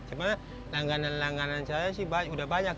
cuma langganan langganan saya sih sudah banyak